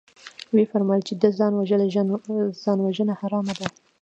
ويې فرمايل چې ده ځان وژلى ځانوژنه حرامه ده.